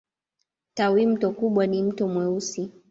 Tawimto kubwa ni Mto Mweusi.